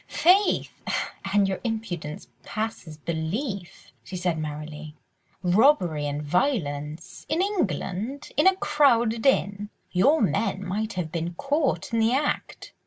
"Faith! and your impudence passes belief," she said merrily. "Robbery and violence!—in England!—in a crowded inn! Your men might have been caught in the act!"